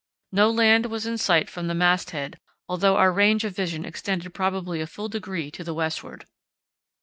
No land was in sight from the mast head, although our range of vision extended probably a full degree to the westward.